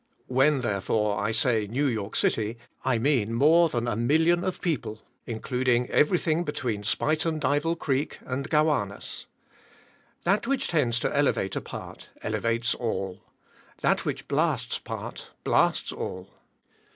When, therefore, I say "New York city," I mean more than a million of people, including everything between Spuyten Duyvil Creek and Gowanus. That which tends to elevate a part, elevates all. That which blasts part, blasts all.